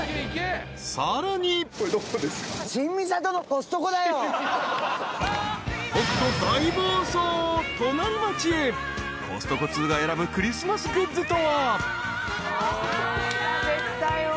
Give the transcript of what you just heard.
［コストコ通が選ぶクリスマスグッズとは］